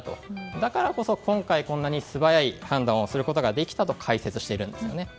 だからこそ今回こんなに素早い判断をすることができたと解説しているんですよね。